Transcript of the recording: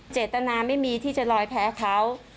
เจตนาไม่มีที่จะลอยแพ้เขา